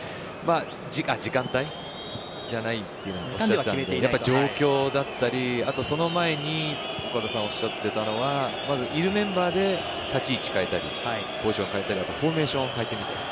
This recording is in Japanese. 時間帯じゃないっていうのはありましたけどやっぱり状況だったりあと、その前に岡田さんがおっしゃってたのはまずいるメンバーで立ち位置を変えたりポジションを変えたりフォーメーションを変えてみたり。